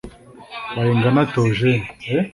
Bayingana Theogene